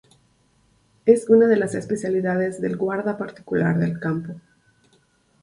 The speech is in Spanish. Es una de las especialidades del Guarda Particular del Campo.